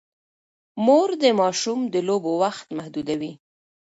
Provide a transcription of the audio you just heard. مور د ماشوم د لوبو وخت محدودوي.